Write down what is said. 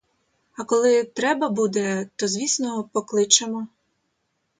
А коли треба буде, то, звісно, покличемо.